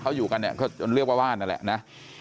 เขาอยู่กันก็เรียกว่าว่านนั่นแหละนะ